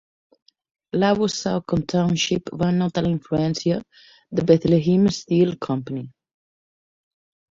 Lower Saucon Township va notar la influència de Bethlehem Steel Company.